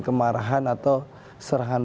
kemarahan atau serahan